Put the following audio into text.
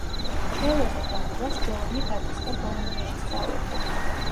ჩელოზე დაკვრას ჯოვანი ბატისტა ბოლონიაში სწავლობდა.